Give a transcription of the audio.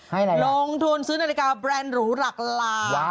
ให้อะไรล่ะลงทุนซื้อนาฬิกาแบรนด์หรูหลักหลาน